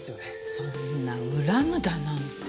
そんな恨むだなんて。